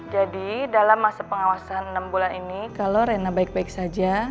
jadi dalam masa pengawasan enam bulan ini kalau rena baik baik saja